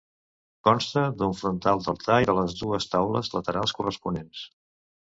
Consta d'un frontal d'altar i de les dues taules laterals corresponents.